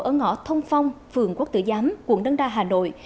ở ngõ thông phong vườn quốc tử giám quận đân đa hà nội